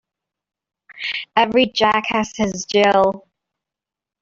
Every Jack has his Jill.